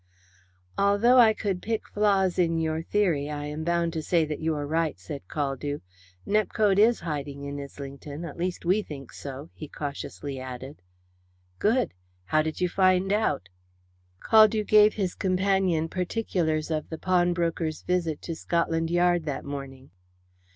"Although I could pick flaws in your theory, I am bound to say that you are right," said Caldew. "Nepcote is hiding in Islington. At least, we think so," he cautiously added. "Good! How did you find out?" Caldew gave his companion particulars of the pawnbroker's visit to Scotland Yard that morning.